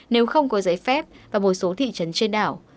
nếu không có giấy phép và một số thị trấn trên đảo